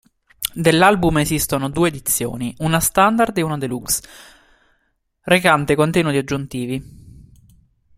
Dell'album esistono due edizioni, una "standard" ed una "deluxe", recante contenuti aggiuntivi.